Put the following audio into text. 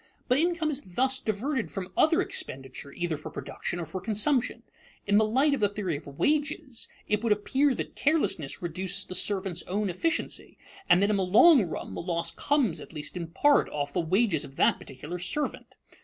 But income is thus diverted from other expenditure, either for production or for consumption. In the light of the theory of wages, it would appear that carelessness reduces the servant's own efficiency, and in the long run the loss comes, in part at least, off the wages of that particular servant.